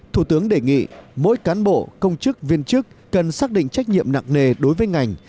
thủ tướng đề nghị mỗi cán bộ công chức viên chức cần xác định trách nhiệm nặng nề đối với ngành